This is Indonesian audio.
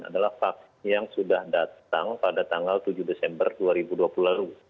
adalah vaksin yang sudah datang pada tanggal tujuh desember dua ribu dua puluh lalu